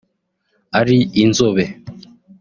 ari inzobe